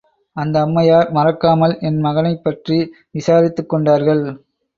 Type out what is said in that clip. அந்த அம்மையார் மறக்காமல் என் மகனைப் பற்றி விசாரித்துக் கொண்டார்கள்.